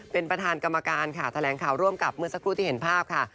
เป็นประธานกรรมการค่ะแถลงข่าวร่วมกับเมื่อสักครู่ที่เห็นภาพค่ะ